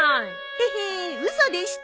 ヘヘ嘘でした